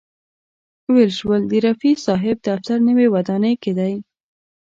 ویل شول د رفیع صاحب دفتر نوې ودانۍ کې دی.